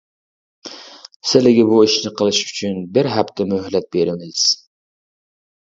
سىلىگە بۇ ئىشنى قىلىش ئۈچۈن بىر ھەپتە مۆھلەت بېرىمىز.